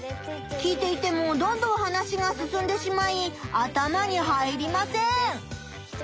聞いていてもどんどん話が進んでしまい頭に入りません！